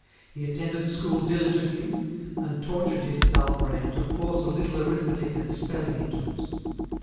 He attended school diligently, and tortured his dull brain to force a little arithmetic and spelling into it.